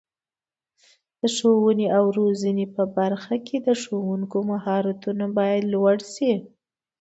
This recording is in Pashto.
د ښوونې او روزنې په برخه کې د ښوونکو مهارتونه باید لوړ شي.